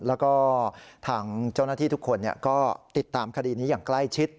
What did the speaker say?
แล้วก็ทางเจ้าหน้าที่ทุกคนก็ติดตามคดีนี้อย่างใกล้ชิด